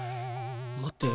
待って。